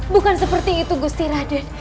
bukan seperti itu gusti raden